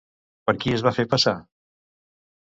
Per qui es va fer passar?